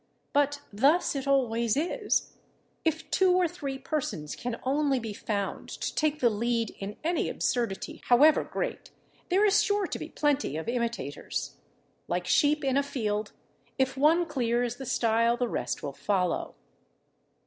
But thus it always is. If two or three persons can only be found to take the lead in any absurdity, however great, there is sure to be plenty of imitators. Like sheep in a field, if one clears the stile, the rest will follow.